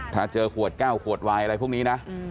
ถ้าเจอขวดแก้วขวดวายอะไรพวกนี้นะ